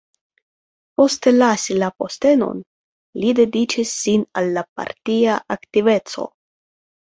Poste lasi la postenon, li dediĉis sin al la partia aktiveco.